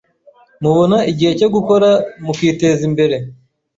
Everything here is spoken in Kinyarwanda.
Mubona igihe cyo gukora mukiteza imbere